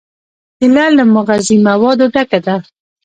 کېله له مغذي موادو ډکه ده.